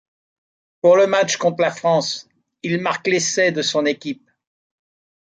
Pour le match contre la France, il marque l'essai de son équipe.